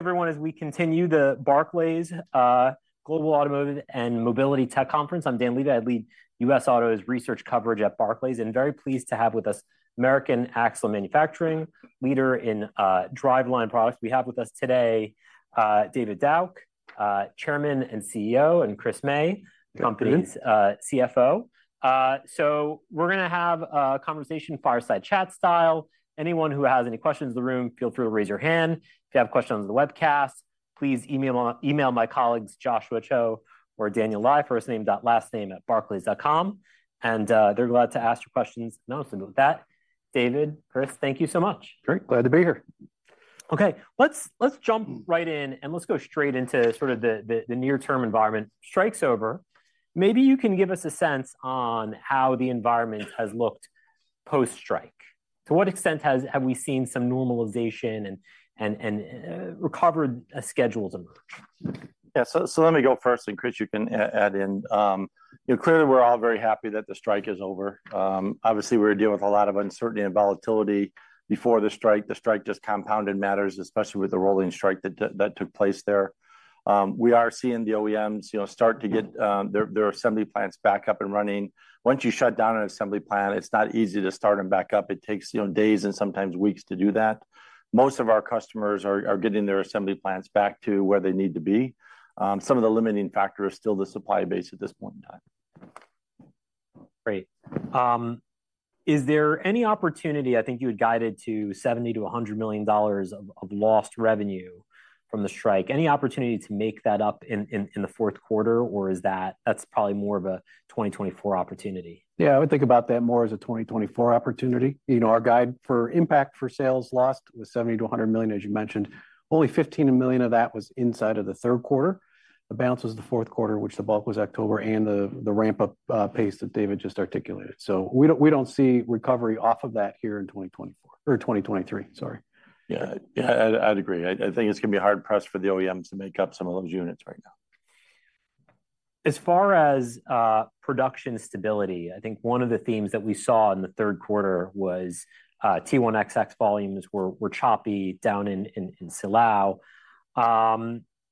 Everyone, as we continue the Barclays Global Automotive and Mobility Tech Conference. I'm Dan Levy. I lead U.S. Autos Research Coverage at Barclays, and very pleased to have with us American Axle & Manufacturing, leader in driveline products. We have with us today David Dauch, Chairman and CEO, and Chris May- Good afternoon. the company's CFO. So we're going to have a conversation, fireside chat style. Anyone who has any questions in the room, feel free to raise your hand. If you have questions on the webcast, please email my colleagues, Joshua Cho or Daniel Lai, first name.last name@barclays.com, and they're glad to ask your questions. Now, with that, David, Chris, thank you so much. Great. Glad to be here. Okay, let's jump right in, and let's go straight into sort of the near-term environment. Strike's over. Maybe you can give us a sense on how the environment has looked post-strike. To what extent have we seen some normalization and recovered schedules emerge? Yeah, so let me go first, and, Chris, you can add in. You know, clearly, we're all very happy that the strike is over. Obviously, we were dealing with a lot of uncertainty and volatility before the strike. The strike just compounded matters, especially with the rolling strike that took place there. We are seeing the OEMs, you know, start to get their assembly plants back up and running. Once you shut down an assembly plant, it's not easy to start them back up. It takes, you know, days, and sometimes weeks, to do that. Most of our customers are getting their assembly plants back to where they need to be. Some of the limiting factor is still the supply base at this point in time. Great. Is there any opportunity—I think you had guided to $70-100 million of lost revenue from the strike, any opportunity to make that up in the Q3, or is that—that's probably more of a 2024 opportunity? Yeah, I would think about that more as a 2024 opportunity. You know, our guide for impact for sales lost was $70-100 million, as you mentioned. Only $15 million of that was inside of the Q3. The balance was the Q3, which the bulk was October and the ramp-up pace that David just articulated. So we don't, we don't see recovery off of that here in 2024 or 2023, sorry. Yeah. Yeah, I'd agree. I think it's going to be hard-pressed for the OEMs to make up some of those units right now. As far as production stability, I think one of the themes that we saw in the Q3 was T1XX volumes were choppy down in Silao.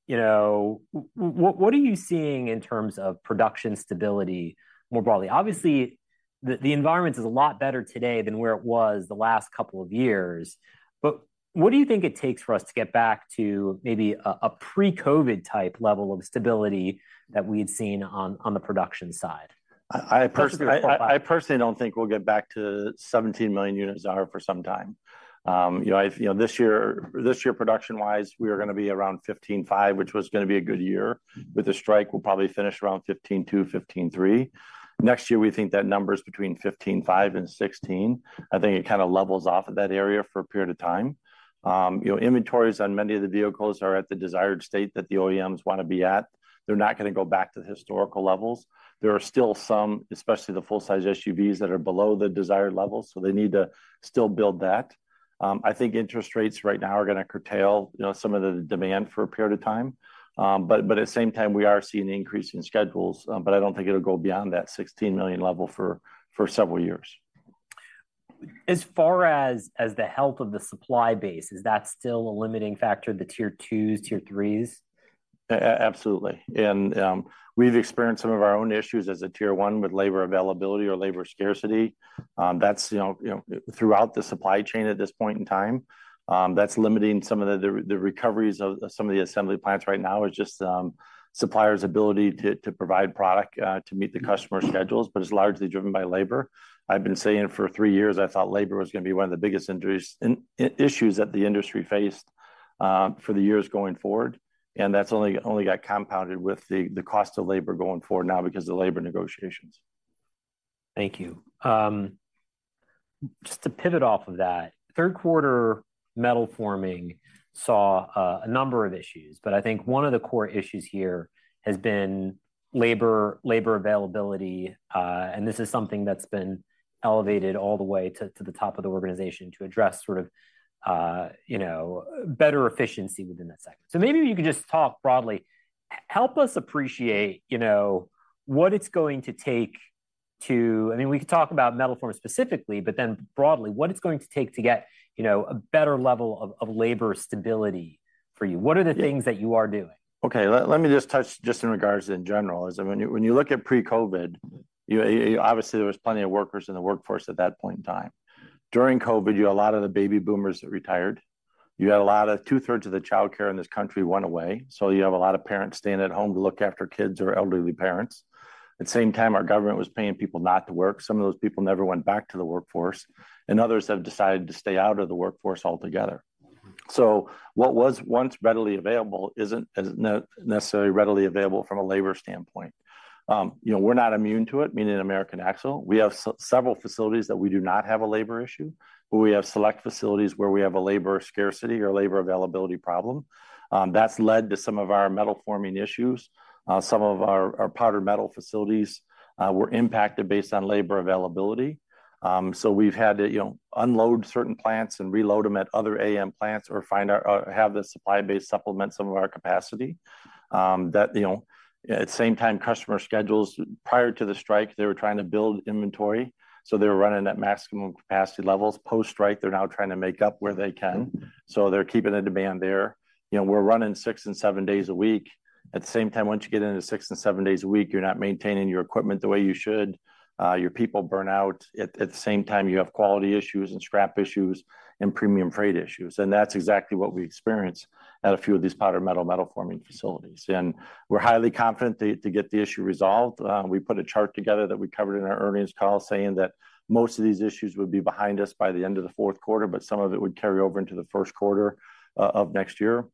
You know, what are you seeing in terms of production stability more broadly? Obviously, the environment is a lot better today than where it was the last couple of years, but what do you think it takes for us to get back to maybe a pre-COVID type level of stability that we've seen on the production side? I personally- Especially for-... I personally don't think we'll get back to 17 million units an hour for some time. You know, this year, production-wise, we are going to be around 15.5, which was going to be a good year. With the strike, we'll probably finish around 15.2, 15.3. Next year, we think that number is between 15.5 and 16. I think it kind of levels off at that area for a period of time. You know, inventories on many of the vehicles are at the desired state that the OEMs want to be at. They're not going to go back to the historical levels. There are still some, especially the full-size SUVs, that are below the desired levels, so they need to still build that. I think interest rates right now are going to curtail, you know, some of the demand for a period of time, but at the same time, we are seeing an increase in schedules, but I don't think it'll go beyond that 16 million level for several years. As far as the health of the supply base, is that still a limiting factor, the Tier 2s, Tier 3s? Absolutely, and we've experienced some of our own issues as a Tier 1 with labor availability or labor scarcity. That's, you know, throughout the supply chain at this point in time. That's limiting some of the recoveries of some of the assembly plants right now. It's just suppliers' ability to provide product to meet the customer schedules, but it's largely driven by labor. I've been saying it for three years. I thought labor was going to be one of the biggest industry issues that the industry faced for the years going forward, and that's only got compounded with the cost of labor going forward now because of the labor negotiations. Thank you. Just to pivot off of that, Q3 Metal Forming saw a number of issues, but I think one of the core issues here has been labor, labor availability, and this is something that's been elevated all the way to the top of the organization to address sort of, you know, better efficiency within that sector. So maybe you could just talk broadly. Help us appreciate, you know, what it's going to take to... I mean, we could talk about Metal Forming specifically, but then broadly, what it's going to take to get, you know, a better level of labor stability for you. What are the things that you are doing? Okay, let me just touch just in regards to in general, when you look at pre-COVID, you obviously there was plenty of workers in the workforce at that point in time. During COVID, you had a lot of the baby boomers that retired. You had a lot of two-thirds of the childcare in this country went away, so you have a lot of parents staying at home to look after kids or elderly parents. At the same time, our government was paying people not to work. Some of those people never went back to the workforce, and others have decided to stay out of the workforce altogether. So what was once readily available isn't as necessarily readily available from a labor standpoint. You know, we're not immune to it, meaning American Axle. We have several facilities that we do not have a labor issue, but we have select facilities where we have a labor scarcity or labor availability problem. That's led to some of our metal forming issues. Some of our powdered metal facilities were impacted based on labor availability. So we've had to, you know, unload certain plants and reload them at other AAM plants or have the supply base supplement some of our capacity. That, you know, at the same time, customer schedules prior to the strike, they were trying to build inventory, so they were running at maximum capacity levels. Post-strike, they're now trying to make up where they can, so they're keeping the demand there. You know, we're running six and seven days a week. At the same time, once you get into six and seven days a week, you're not maintaining your equipment the way you should. Your people burn out. At the same time, you have quality issues and scrap issues and premium freight issues, and that's exactly what we experienced at a few of these Powder Metal, Metal Forming facilities. And we're highly confident to get the issue resolved. We put a chart together that we covered in our earnings call, saying that most of these issues would be behind us by the end of the Q3, but some of it would carry over into the Q1 of next year.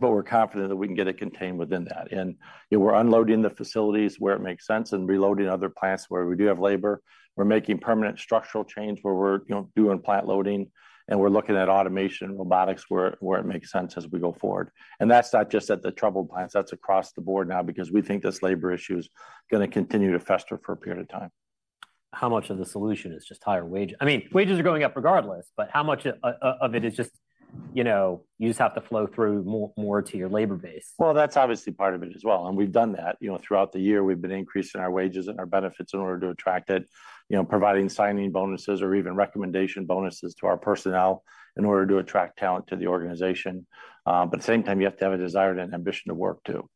But we're confident that we can get it contained within that. And, you know, we're unloading the facilities where it makes sense and reloading other plants where we do have labor. We're making permanent structural changes where we're, you know, doing plant loading, and we're looking at automation and robotics where it makes sense as we go forward. And that's not just at the troubled plants, that's across the board now, because we think this labor issue is going to continue to fester for a period of time. How much of the solution is just higher wages? I mean, wages are going up regardless, but how much of it is just, you know, you just have to flow through more, more to your labor base? Well, that's obviously part of it as well, and we've done that. You know, throughout the year, we've been increasing our wages and our benefits in order to attract it. You know, providing signing bonuses or even recommendation bonuses to our personnel in order to attract talent to the organization. But at the same time, you have to have a desire and ambition to work, too.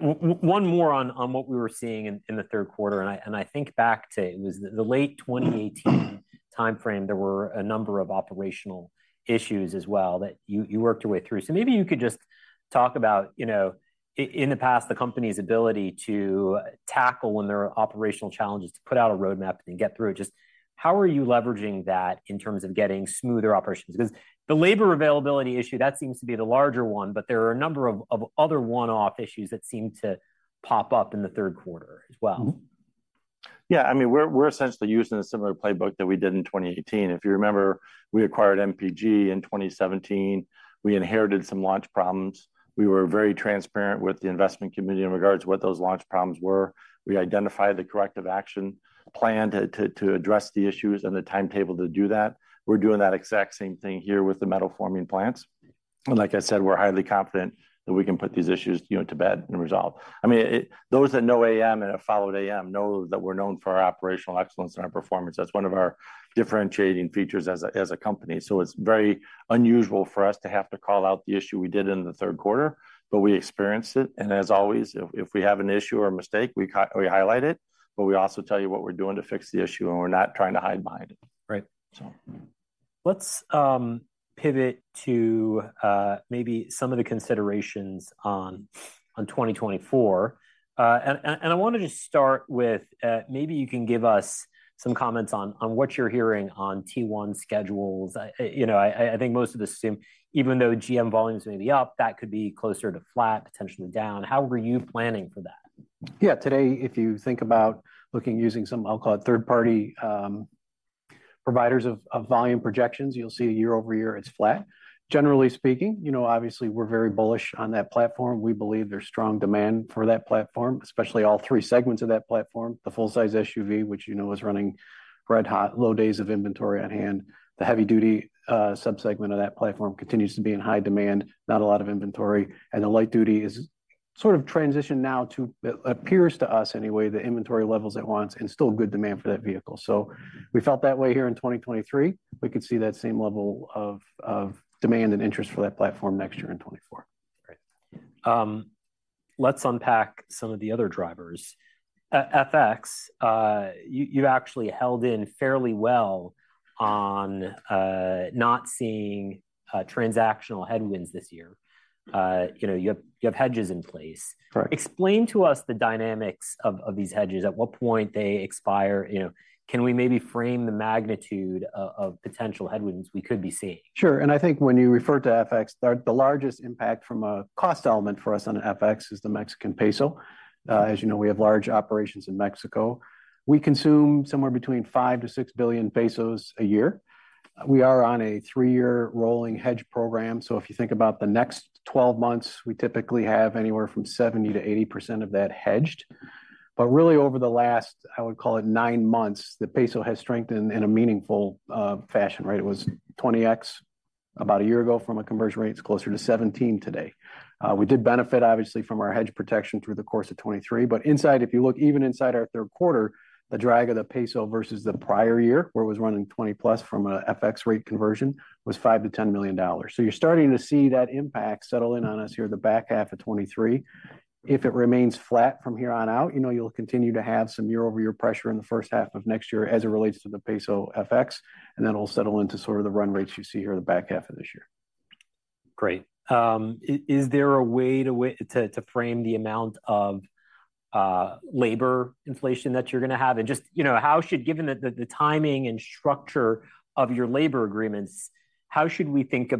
One more on what we were seeing in the Q3, and I think back to... it was the late 2018 timeframe, there were a number of operational issues as well that you worked your way through. So maybe you could just talk about, you know, in the past, the company's ability to tackle when there are operational challenges, to put out a roadmap and get through it. Just how are you leveraging that in terms of getting smoother operations? Because the labor availability issue, that seems to be the larger one, but there are a number of other one-off issues that seem to pop up in the Q3 as well. Mm-hmm. Yeah, I mean, we're essentially using a similar playbook that we did in 2018. If you remember, we acquired MPG in 2017. We inherited some launch problems. We were very transparent with the investment committee in regards to what those launch problems were. We identified the corrective action plan to address the issues and the timetable to do that. We're doing that exact same thing here with the Metal Forming plants. And like I said, we're highly confident that we can put these issues, you know, to bed and resolve. I mean, those that know AAM and have followed AAM know that we're known for our operational excellence and our performance. That's one of our differentiating features as a company. So it's very unusual for us to have to call out the issue we did in the Q3, but we experienced it, and as always, if we have an issue or a mistake, we highlight it, but we also tell you what we're doing to fix the issue, and we're not trying to hide behind it. Right. So... Let's pivot to maybe some of the considerations on 2024. And I wanted to start with maybe you can give us some comments on what you're hearing on T1 schedules. You know, I think most of us assume, even though GM volumes may be up, that could be closer to flat, potentially down. How are you planning for that? Yeah. Today, if you think about looking, using some, I'll call it, third-party providers of volume projections, you'll see year-over-year it's flat. Generally speaking, you know, obviously, we're very bullish on that platform. We believe there's strong demand for that platform, especially all three segments of that platform. The full-size SUV, which, you know, is running red-hot, low days of inventory on hand. The heavy-duty sub-segment of that platform continues to be in high demand, not a lot of inventory, and the light duty is sort of transitioned now to, it appears to us, anyway, the inventory levels at once, and still good demand for that vehicle. So we felt that way here in 2023. We could see that same level of demand and interest for that platform next year in 2024. Great. Let's unpack some of the other drivers. FX, you actually held in fairly well on not seeing transactional headwinds this year. You know, you have hedges in place. Correct. Explain to us the dynamics of these hedges, at what point they expire. You know, can we maybe frame the magnitude of potential headwinds we could be seeing? Sure. I think when you refer to FX, the largest impact from a cost element for us on FX is the Mexican peso. As you know, we have large operations in Mexico. We consume somewhere between 5 billion-6 billion pesos a year. We are on a 3-year rolling hedge program, so if you think about the next 12 months, we typically have anywhere from 70%-80% of that hedged. But really, over the last, I would call it nine months, the peso has strengthened in a meaningful fashion, right? It was 20X about a year ago from a conversion rate. It's closer to 17 today. We did benefit, obviously, from our hedge protection through the course of 2023, but inside, if you look even inside our Q3, the drag of the peso versus the prior year, where it was running 20+ from a FX rate conversion, was $5-10 million. So you're starting to see that impact settle in on us here in the back half of 2023. If it remains flat from here on out, you know, you'll continue to have some year-over-year pressure in the H1 of next year as it relates to the peso FX, and then it'll settle into sort of the run rates you see here in the back half of this year. Great. Is there a way to frame the amount of labor inflation that you're gonna have? And just, you know, how should we think about, given the timing and structure of your labor agreements, the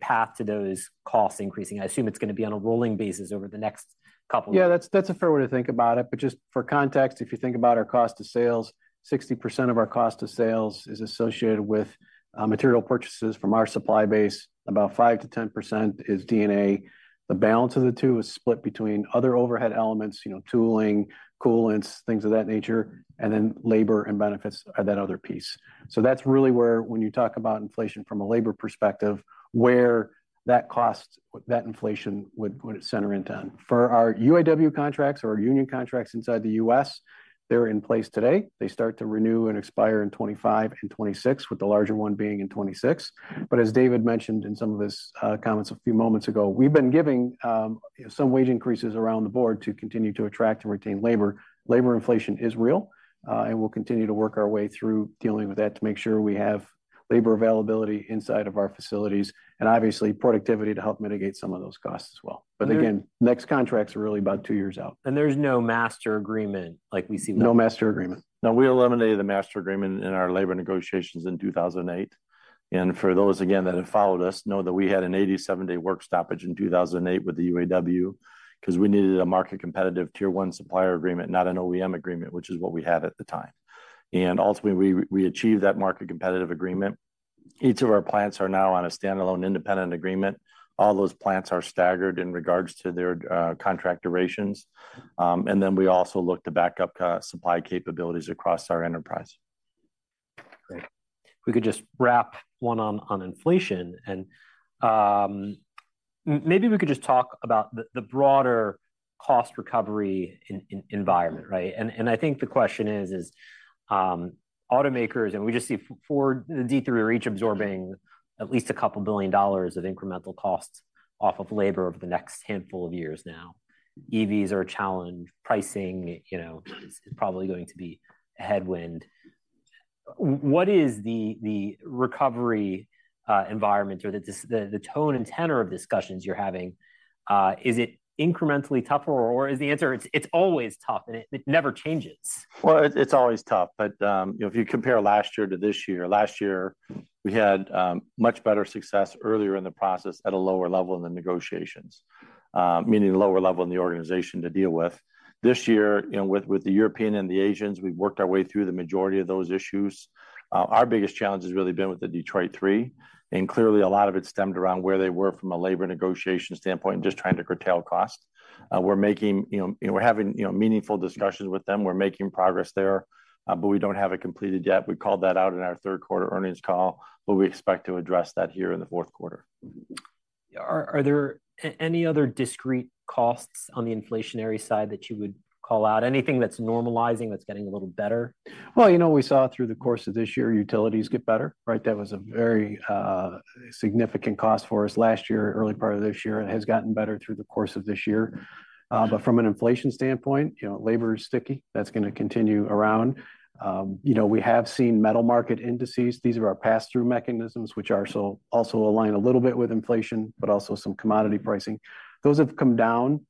path to those costs increasing? I assume it's gonna be on a rolling basis over the next couple of years. Yeah, that's, that's a fair way to think about it. But just for context, if you think about our cost of sales, 60% of our cost of sales is associated with material purchases from our supply base, about 5%-10% is D&A. The balance of the two is split between other overhead elements, you know, tooling, coolants, things of that nature, and then labor and benefits are that other piece. So that's really where when you talk about inflation from a labor perspective, where that cost-- that inflation would, would center into. For our UAW contracts or union contracts inside the U.S. they're in place today. They start to renew and expire in 25 and 26, with the larger one being in 26. But as David mentioned in some of his comments a few moments ago, we've been giving some wage increases around the board to continue to attract and retain labor. Labor inflation is real, and we'll continue to work our way through dealing with that to make sure we have labor availability inside of our facilities, and obviously, productivity to help mitigate some of those costs as well. But again, next contracts are really about two years out. There's no master agreement like we see- No master agreement. No, we eliminated the master agreement in our labor negotiations in 2008, and for those, again, that have followed us, know that we had an 87-day work stoppage in 2008 with the UAW, 'cause we needed a market competitive Tier 1 supplier agreement, not an OEM agreement, which is what we had at the time. And ultimately, we, we achieved that market competitive agreement. Each of our plants are now on a standalone independent agreement. All those plants are staggered in regards to their contract durations. And then we also look to backup supply capabilities across our enterprise. Great. We could just wrap one on inflation, and maybe we could just talk about the broader cost recovery environment, right? And I think the question is, automakers, and we just see Ford, the D3 are each absorbing at least $2 billion of incremental costs off of labor over the next handful of years now. EVs are a challenge. Pricing, you know, is probably going to be a headwind. What is the recovery environment or the tone and tenor of discussions you're having? Is it incrementally tougher, or is the answer it's always tough, and it never changes? Well, it's always tough, but you know, if you compare last year to this year, last year we had much better success earlier in the process at a lower level in the negotiations, meaning lower level in the organization to deal with. This year, you know, with the European and the Asians, we've worked our way through the majority of those issues. Our biggest challenge has really been with the Detroit Three, and clearly a lot of it stemmed around where they were from a labor negotiation standpoint and just trying to curtail costs. We're making you know, we're having you know, meaningful discussions with them. We're making progress there, but we don't have it completed yet. We called that out in our Q3 earnings call, but we expect to address that here in the Q3. Are there any other discrete costs on the inflationary side that you would call out? Anything that's normalizing, that's getting a little better? Well, you know, we saw through the course of this year, utilities get better, right? That was a very, significant cost for us last year, early part of this year, and has gotten better through the course of this year. But from an inflation standpoint, you know, labor is sticky. That's gonna continue around. You know, we have seen metal market indices. These are our pass-through mechanisms, which are also align a little bit with inflation, but also some commodity pricing. Those have come down,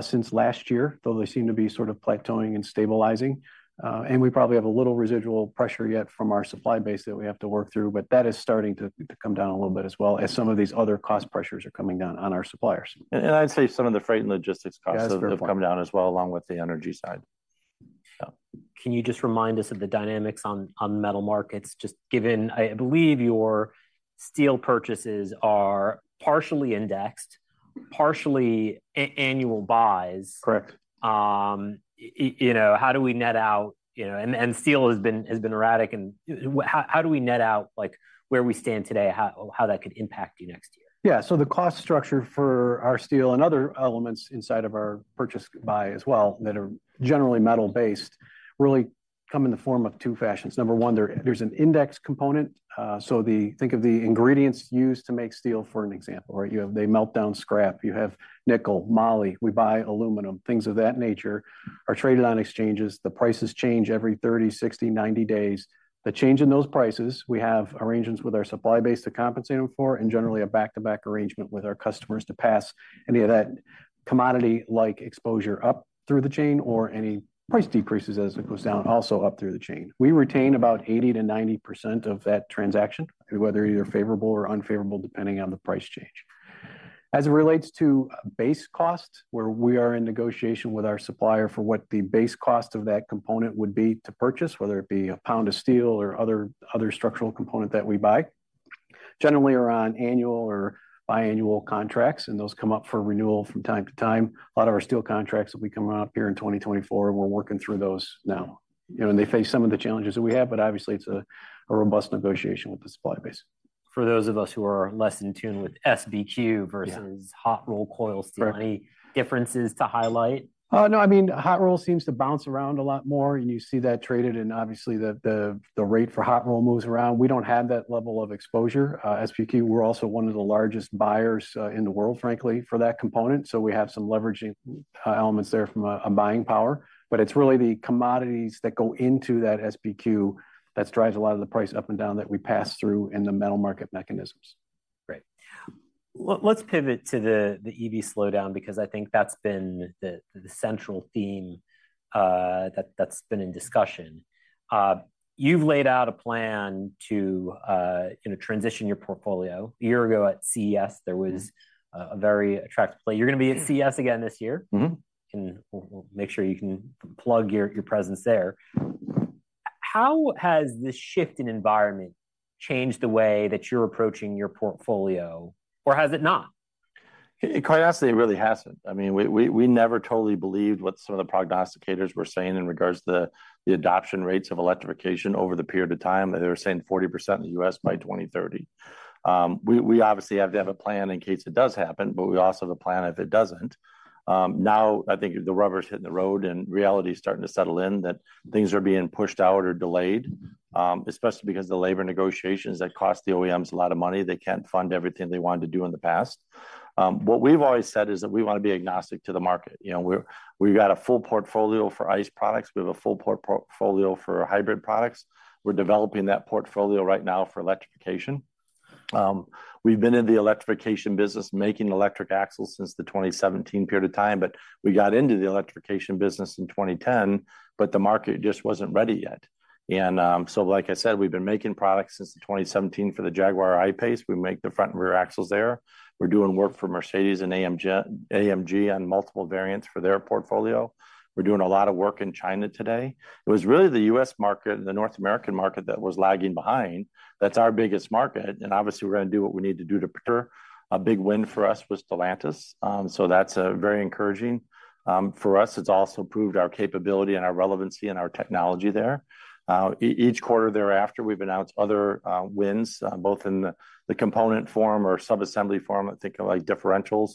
since last year, though they seem to be sort of plateauing and stabilizing. And we probably have a little residual pressure yet from our supply base that we have to work through, but that is starting to come down a little bit as well, as some of these other cost pressures are coming down on our suppliers. I'd say some of the freight and logistics costs- Yeah. Have come down as well, along with the energy side. Yeah. Can you just remind us of the dynamics on metal markets, just given, I believe your steel purchases are partially indexed, partially annual buys? Correct. You know, how do we net out... You know, steel has been erratic, and how do we net out, like, where we stand today, how that could impact you next year? Yeah. So the cost structure for our steel and other elements inside of our purchase buy as well, that are generally metal-based, really come in the form of two fashions. Number one, there's an index component. So, think of the ingredients used to make steel, for an example, right? You have. They melt down scrap. You have nickel, moly. We buy aluminum, things of that nature, are traded on exchanges. The prices change every 30, 60, 90 days. The change in those prices, we have arrangements with our supply base to compensate them for, and generally, a back-to-back arrangement with our customers to pass any of that commodity-like exposure up through the chain or any price decreases as it goes down, also up through the chain. We retain about 80%-90% of that transaction, whether either favorable or unfavorable, depending on the price change. As it relates to base costs, where we are in negotiation with our supplier for what the base cost of that component would be to purchase, whether it be a pound of steel or other, other structural component that we buy, generally, are on annual or biannual contracts, and those come up for renewal from time to time. A lot of our steel contracts will be coming up here in 2024, and we're working through those now. You know, and they face some of the challenges that we have, but obviously, it's a, a robust negotiation with the supply base. For those of us who are less in tune with SBQ versus- Yeah. hot-rolled coil steel Correct. - any differences to highlight? No, I mean, hot roll seems to bounce around a lot more, and you see that traded, and obviously, the rate for hot roll moves around. We don't have that level of exposure. SBQ, we're also one of the largest buyers in the world, frankly, for that component, so we have some leveraging elements there from a buying power. But it's really the commodities that go into that SBQ that drives a lot of the price up and down that we pass through in the metal market mechanisms.... Great. Let's pivot to the EV slowdown, because I think that's been the central theme that's been in discussion. You've laid out a plan to, you know, transition your portfolio. A year ago at CES, there was a very attractive play. You're going to be at CES again this year? Mm-hmm. We'll make sure you can plug your, your presence there. How has this shift in environment changed the way that you're approaching your portfolio, or has it not? Curiously, it really hasn't. I mean, we never totally believed what some of the prognosticators were saying in regards to the adoption rates of electrification over the period of time. They were saying 40% in the US by 2030. We obviously have to have a plan in case it does happen, but we also have a plan if it doesn't. Now, I think the rubber's hitting the road, and reality is starting to settle in, that things are being pushed out or delayed, especially because the labor negotiations that cost the OEMs a lot of money. They can't fund everything they wanted to do in the past. What we've always said is that we want to be agnostic to the market. You know, we've got a full portfolio for ICE products. We have a full portfolio for hybrid products. We're developing that portfolio right now for electrification. We've been in the electrification business, making electric axles since the 2017 period of time, but we got into the electrification business in 2010, but the market just wasn't ready yet. Like I said, we've been making products since 2017 for the Jaguar I-PACE. We make the front and rear axles there. We're doing work for Mercedes and AMG on multiple variants for their portfolio. We're doing a lot of work in China today. It was really the U.S. market, the North American market, that was lagging behind. That's our biggest market, and obviously, we're going to do what we need to do to procure. A big win for us was Stellantis, so that's very encouraging. For us, it's also proved our capability and our relevancy and our technology there. Each quarter thereafter, we've announced other wins, both in the component form or sub-assembly form, I think of like differentials,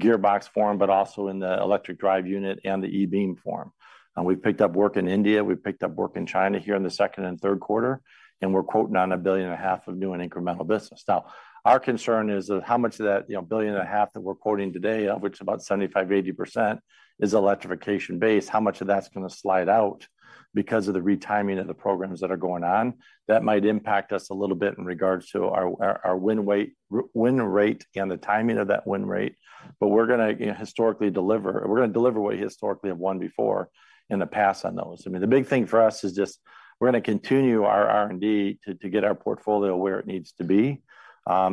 gearbox form, but also in the electric drive unit and the e-Beam form. And we've picked up work in India, we've picked up work in China here in the second and Q3, and we're quoting on $1.5 billion of new and incremental business. Now, our concern is that how much of that, you know, $1.5 billion that we're quoting today, of which about 75%-80% is electrification-based, how much of that's going to slide out because of the retiming of the programs that are going on? That might impact us a little bit in regards to our win rate and the timing of that win rate, but we're going to, you know, historically deliver. We're going to deliver what we historically have won before in the past on those. I mean, the big thing for us is just we're going to continue our R&D to get our portfolio where it needs to be,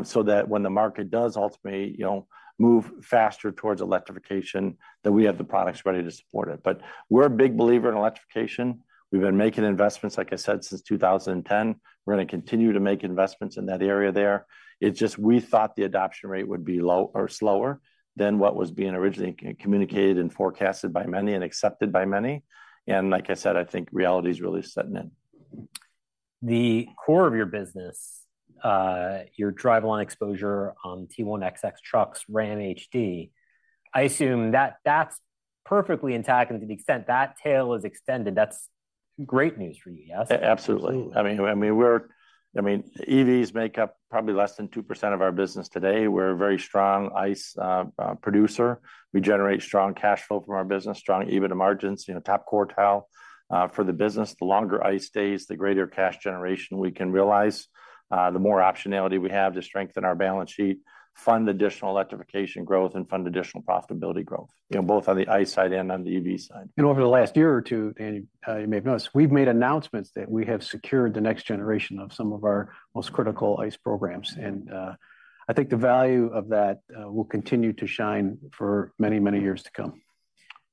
so that when the market does ultimately, you know, move faster towards electrification, that we have the products ready to support it. But we're a big believer in electrification. We've been making investments, like I said, since 2010. We're going to continue to make investments in that area there. It's just we thought the adoption rate would be low or slower than what was being originally communicated and forecasted by many and accepted by many, and like I said, I think reality is really setting in. The core of your business, your driveline exposure on T1XX trucks, Ram HD, I assume that's perfectly intact, and to the extent that tail is extended, that's great news for you, yes? A- absolutely. Absolutely. I mean, EVs make up probably less than 2% of our business today. We're a very strong ICE producer. We generate strong cash flow from our business, strong EBITDA margins, you know, top quartile. For the business, the longer ICE stays, the greater cash generation we can realize, the more optionality we have to strengthen our balance sheet, fund additional electrification growth, and fund additional profitability growth, you know, both on the ICE side and on the EV side. Over the last year or two, you may have noticed, we've made announcements that we have secured the next generation of some of our most critical ICE programs, and I think the value of that will continue to shine for many, many years to come.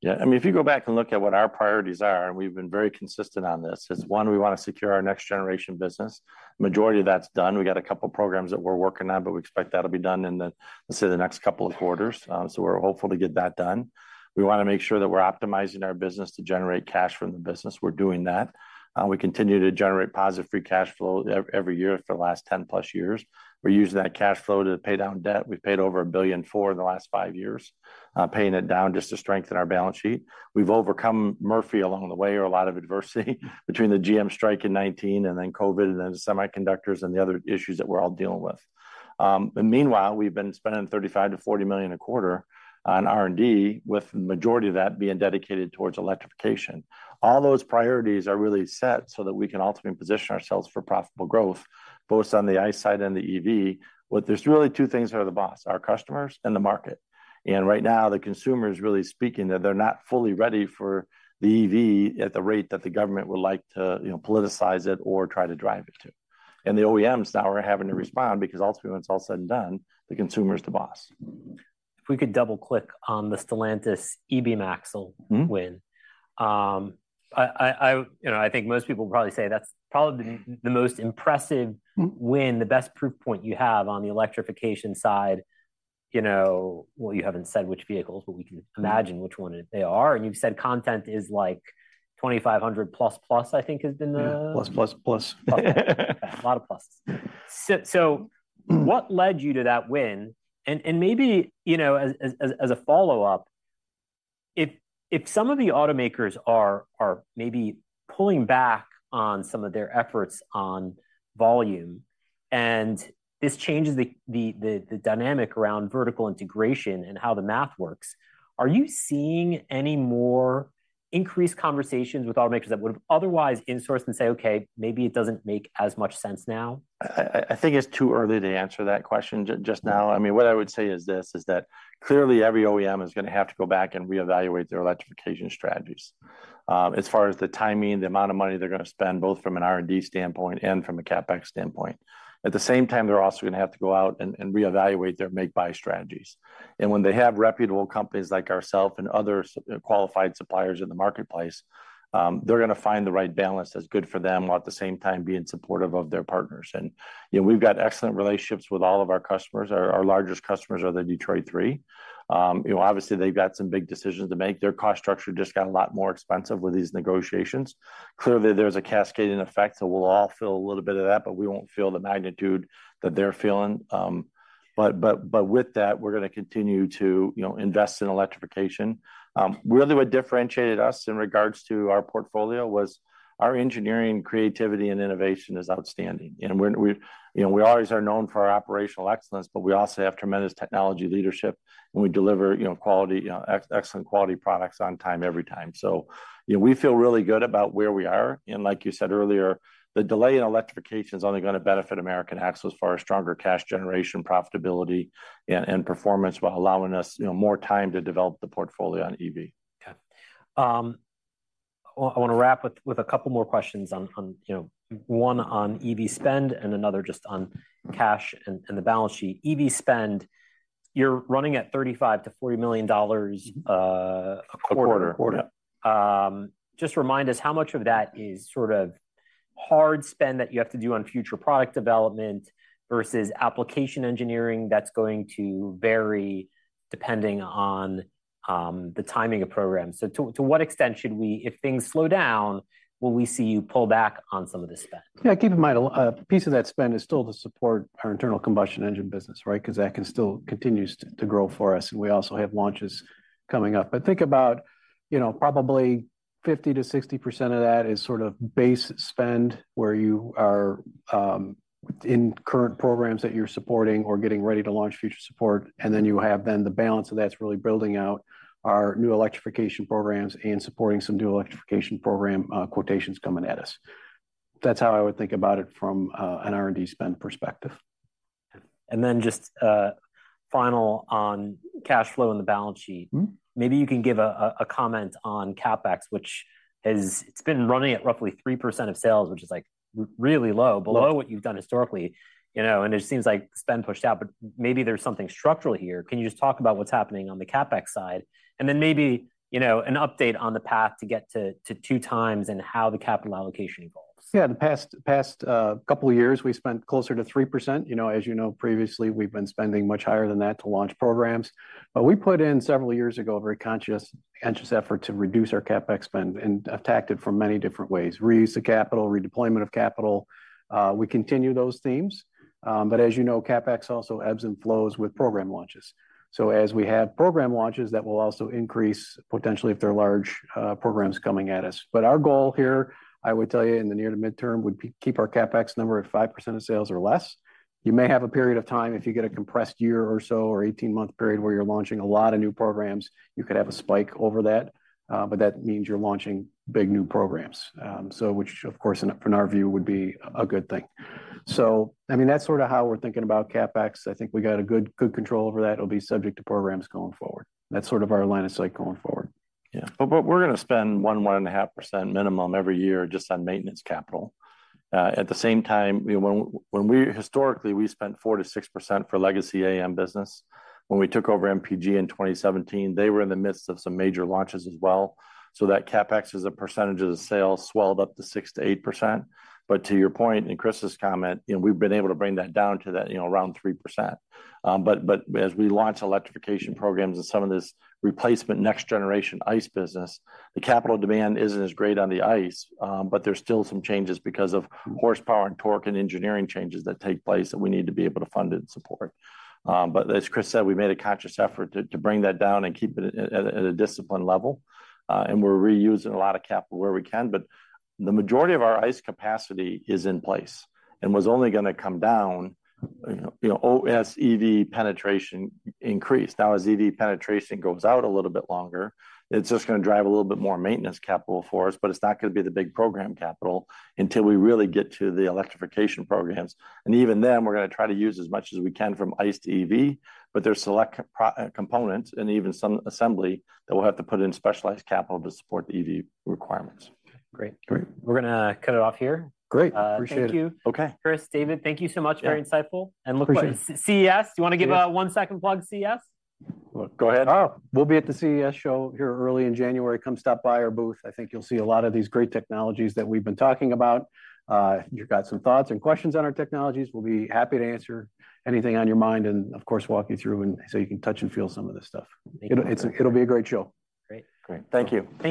Yeah. I mean, if you go back and look at what our priorities are, and we've been very consistent on this, is, one, we want to secure our next generation business. Majority of that's done. We got a couple programs that we're working on, but we expect that'll be done in the, let's say, the next couple of quarters. So we're hopeful to get that done. We want to make sure that we're optimizing our business to generate cash from the business. We're doing that. We continue to generate positive free cash flow every year for the last 10+ years. We're using that cash flow to pay down debt. We've paid over $1.4 billion in the last five years, paying it down just to strengthen our balance sheet. We've overcome Murphy along the way, or a lot of adversity, between the GM strike in 2019 and then COVID, and then the semiconductors and the other issues that we're all dealing with. Meanwhile, we've been spending $35-40 million a quarter on R&D, with the majority of that being dedicated towards electrification. All those priorities are really set so that we can ultimately position ourselves for profitable growth, both on the ICE side and the EV. But there's really two things that are the boss: our customers and the market. And right now, the consumer is really speaking, that they're not fully ready for the EV at the rate that the government would like to, you know, politicize it or try to drive it to. And the OEMs now are having to respond because ultimately, when it's all said and done, the consumer's the boss. If we could double-click on the Stellantis e-Beam axle- Mm-hmm... win. You know, I think most people would probably say that's probably the, the most impressive- Mm - win, the best proof point you have on the electrification side. You know, well, you haven't said which vehicles, but we can imagine which one they are, and you've said content is, like, 2,500 plus, plus, I think, has been the- Yeah, plus, plus, plus. A lot of pluses. So what led you to that win? And maybe, you know, as a follow-up, if some of the automakers are maybe pulling back on some of their efforts on volume, and this changes the dynamic around vertical integration and how the math works, are you seeing any more increased conversations with automakers that would have otherwise insourced and say, "Okay, maybe it doesn't make as much sense now? I think it's too early to answer that question just now. I mean, what I would say is this, is that clearly, every OEM is going to have to go back and re-evaluate their electrification strategies. As far as the timing, the amount of money they're going to spend, both from an R&D standpoint and from a CapEx standpoint. At the same time, they're also going to have to go out and re-evaluate their make-buy strategies. And when they have reputable companies like ourselves and other qualified suppliers in the marketplace, they're going to find the right balance that's good for them, while at the same time being supportive of their partners. And, you know, we've got excellent relationships with all of our customers. Our largest customers are the Detroit Three. You know, obviously, they've got some big decisions to make. Their cost structure just got a lot more expensive with these negotiations. Clearly, there's a cascading effect, so we'll all feel a little bit of that, but we won't feel the magnitude that they're feeling. But with that, we're going to continue to, you know, invest in electrification. Really, what differentiated us in regards to our portfolio was our engineering, creativity, and innovation is outstanding. And we're, you know, we always are known for our operational excellence, but we also have tremendous technology leadership, and we deliver, you know, quality, excellent quality products on time, every time. So, you know, we feel really good about where we are, and like you said earlier, the delay in electrification is only going to benefit American Axle as far as stronger cash generation, profitability, and, and performance, while allowing us, you know, more time to develop the portfolio on EV. Okay. Well, I want to wrap with, with a couple more questions on, on, you know, one on EV spend and another just on cash and, and the balance sheet. EV spend, you're running at $35-40 million. A quarter. A quarter. A quarter. Just remind us, how much of that is sort of hard spend that you have to do on future product development versus application engineering that's going to vary depending on the timing of programs? So, to what extent should we, if things slow down, will we see you pull back on some of the spend? Yeah, keep in mind, a piece of that spend is still to support our internal combustion engine business, right? Because that still continues to grow for us, and we also have launches coming up. But think about, you know, probably 50%-60% of that is sort of base spend, where you are in current programs that you're supporting or getting ready to launch future support. And then, you have the balance of that's really building out our new electrification programs and supporting some new electrification program quotations coming at us. That's how I would think about it from an R&D spend perspective. And then, just final on cash flow and the balance sheet. Mm-hmm. Maybe you can give a comment on CapEx, which has, it's been running at roughly 3% of sales, which is, like, really low, below what you've done historically. You know, and it seems like spend pushed out, but maybe there's something structural here. Can you just talk about what's happening on the CapEx side? And then, maybe, you know, an update on the path to get to 2 times and how the capital allocation evolves. Yeah, the past couple of years, we spent closer to 3%. You know, as you know, previously, we've been spending much higher than that to launch programs. But we put in, several years ago, a very conscious effort to reduce our CapEx spend, and attacked it from many different ways: reuse the capital, redeployment of capital. We continue those themes. But as you know, CapEx also ebbs and flows with program launches. So as we have program launches, that will also increase, potentially, if there are large programs coming at us. But our goal here, I would tell you, in the near to midterm, would be keep our CapEx number at 5% of sales or less. You may have a period of time, if you get a compressed year or so or 18-month period, where you're launching a lot of new programs, you could have a spike over that. But that means you're launching big, new programs, so which, of course, in from our view, would be a good thing. So, I mean, that's sort of how we're thinking about CapEx. I think we got a good control over that. It'll be subject to programs going forward. That's sort of our line of sight going forward. Yeah. But, but we're going to spend 1-1.5% minimum every year just on maintenance capital. At the same time, you know, when, when we historically, we spent 4%-6% for legacy AAM business. When we took over MPG in 2017, they were in the midst of some major launches as well, so that CapEx, as a percentage of the sales, swelled up to 6%-8%. But to your point, and Chris's comment, you know, we've been able to bring that down to that, you know, around 3%. But, but as we launch electrification programs and some of this replacement next-generation ICE business, the capital demand isn't as great on the ICE, but there's still some changes because of horsepower and torque and engineering changes that take place, that we need to be able to fund and support. But as Chris said, we made a conscious effort to bring that down and keep it at a disciplined level. And we're reusing a lot of capital where we can, but the majority of our ICE capacity is in place and was only going to come down, you know, as EV penetration increased. Now, as EV penetration goes out a little bit longer, it's just going to drive a little bit more maintenance capital for us, but it's not going to be the big program capital until we really get to the electrification programs. And even then, we're going to try to use as much as we can from ICE to EV, but there's select components, and even some assembly, that we'll have to put in specialized capital to support the EV requirements. Great. Great. We're going to cut it off here. Great, appreciate it. Thank you. Okay. Chris, David, thank you so much. Yeah. Very insightful. Appreciate it. And look what, CES, do you want to give a one-second plug to CES? Well, go ahead. Oh, we'll be at the CES show here early in January. Come stop by our booth. I think you'll see a lot of these great technologies that we've been talking about. You've got some thoughts and questions on our technologies, we'll be happy to answer anything on your mind and, of course, walk you through and so you can touch and feel some of this stuff. Thank you. It'll be a great show. Great. Great. Thank you.